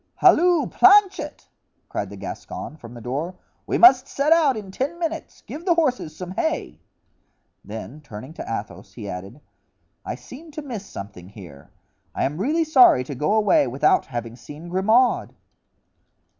"Halloo, Planchet!" cried the Gascon from the door, "we must set out in ten minutes; give the horses some hay." Then turning to Athos he added: "I seem to miss something here. I am really sorry to go away without having seen Grimaud."